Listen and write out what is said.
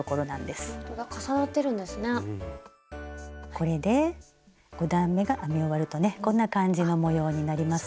これで５段めが編み終わるとねこんな感じの模様になりますよ。